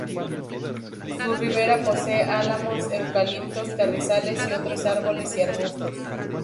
Su ribera posee álamos, eucaliptos, carrizales y otros árboles y arbustos.